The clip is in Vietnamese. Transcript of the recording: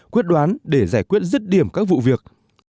quyết đoán để giải quyết rứt điểm các vụ việc